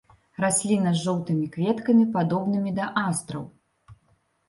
Расліна з жоўтымі кветкамі падобнымі да астраў.